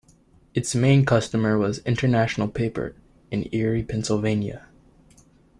Its main customer was International Paper in Erie, Pennsylvania.